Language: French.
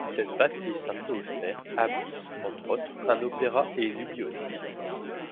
Cette bâtisse un peu austère abrite, entre autres, un opéra et une bibliothèque.